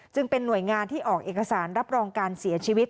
หน่วยงานที่ออกเอกสารรับรองการเสียชีวิต